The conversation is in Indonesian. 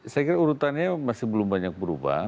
saya kira urutannya masih belum banyak berubah